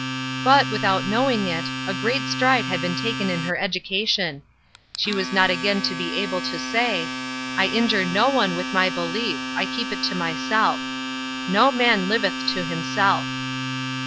But, without knowing it, a great stride had been taken in her education. She was not again to be able to say: "I injure no one with my belief; I keep it to myself." "No Man liveth to himself."